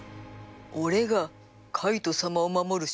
俺がカイト様を守る食細胞だ。